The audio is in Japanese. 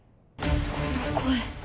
この声！